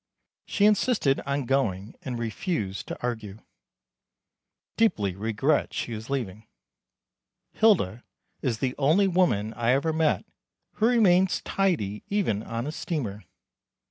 She insisted on going and refused to argue. Deeply regret she is leaving. Hilda is the only woman I ever met who remains tidy even on a steamer.